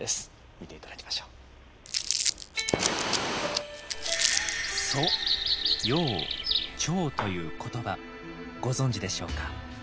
見て頂きましょう。という言葉ご存じでしょうか？